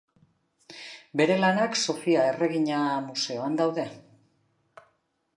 Bere lanak Sofia Erregina Museoan daude.